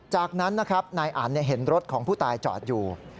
จากนั้นนะครับนายอันเห็นรถของผู้ตายจอดอยู่